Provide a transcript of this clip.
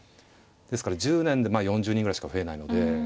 ですから１０年でまあ４０人ぐらいしか増えないので。